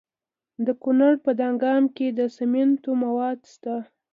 د کونړ په دانګام کې د سمنټو مواد شته.